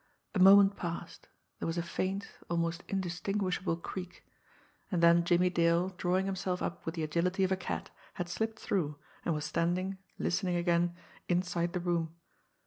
A moment passed, there was a faint, almost indistinguishable creak; and then Jimmie Dale, drawing himself up with the agility of a cat, had slipped through, and was standing, listening again, inside the room.